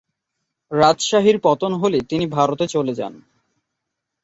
রাজশাহীর পতন হলে তিনি ভারতে চলে যান।